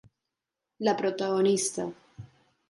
La protagonista.